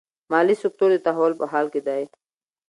مالي سکتور د تحول په حال کې دی.